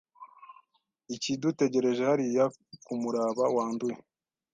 Ikidutegereje hariya kumuraba wanduye